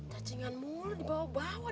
cacingan mulut dibawa bawa